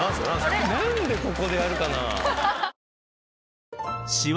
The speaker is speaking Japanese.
何でここでやるかな？